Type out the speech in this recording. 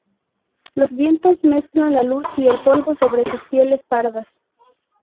Los vientos mezclan la luz y el polvo sobre sus pieles pardas.